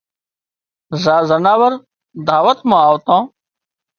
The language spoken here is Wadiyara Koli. زار زناور دعوت مان آوتان